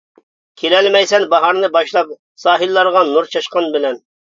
كېلەلمەيسەن باھارنى باشلاپ، ساھىللارغا نۇر چاچقان بىلەن.